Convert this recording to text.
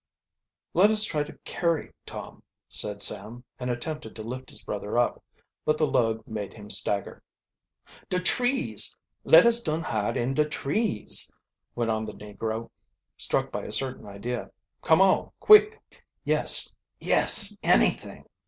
"Let us try to carry Tom," said Sam, and attempted to lift his brother up. But the load made him stagger. "De trees let us dun hide in, de trees!" went on the negro, struck by a certain idea. "Come on, quick!" "Yes yes anything!"